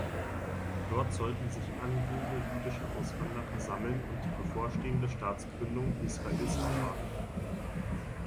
Dort sollten sich angehende jüdische Auswanderer sammeln und die bevorstehende Staatsgründung Israels abwarten.